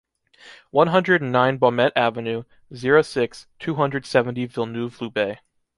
one hundred and nine Baumettes Avenue, zero six, two hundred seventy Villeneuve-Loubet